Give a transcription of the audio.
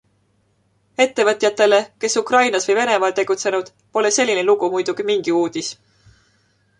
Ettevõtjatele, kes Ukrainas või Venemaal tegutsenud, pole selline lugu muidugi mingi uudis.